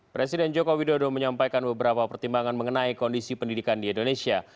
presiden joko widodo menyampaikan beberapa pertimbangan mengenai kondisi pendidikan di indonesia